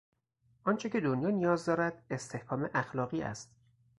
آنچه که دنیا نیاز دارد استحکام اخلاقی است.